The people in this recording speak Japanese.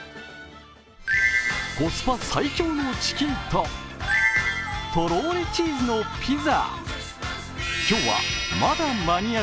コスパ最強のチキンとトロリチーズのピザ。